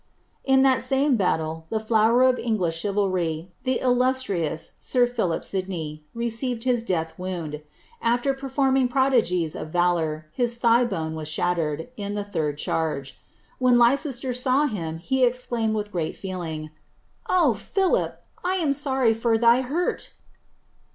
"' In that same battle, the flon er of English chivalry, (he illustrious sir Philip Sidney, received his ''' after performing prodigies of Talour, his ihigh'bone wa. le third chai^. V^'hen Lei cesier saw him, he exclai t feeling, "Oh, Philip! I am sorry for thy hurt."